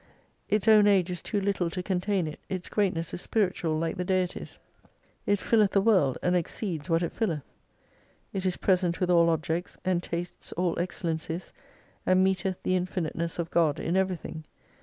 Its own age is too little to contain it, its greatness is spiritual, like the Deity's. It 287 fiileth the world, and exceeds what it filleth. It is present with all objects, and tastes all excellencies, and meeteth the infiniteness of God in everything.